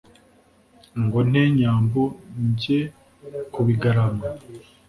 Ngo nte Nyambo njye ku Bigarama,